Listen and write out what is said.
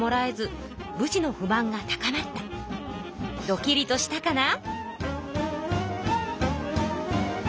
ドキリとしたかな？